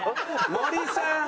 森さん。